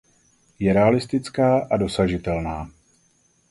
Je realistická a dosažitelná.